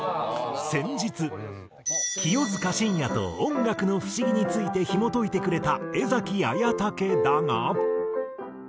先日清塚信也と音楽の不思議についてひも解いてくれた江文武だが。